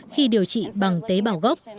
khi điều trị bằng tế bào gốc